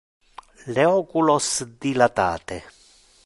Le oculos dilatate.